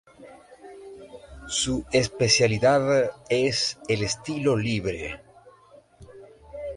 Su especialidad es el estilo libre.